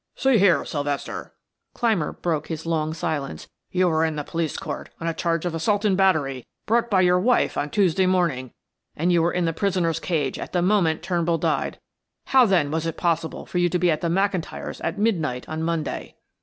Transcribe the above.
"See here, Sylvester," Clymer broke his long silence. "You were in the police court on a charge of assault and battery brought by your wife on Tuesday morning, and you were in the prisoner's cage at the moment Turnbull died. How then was it possible for you to be at the McIntyre's at midnight on Monday?"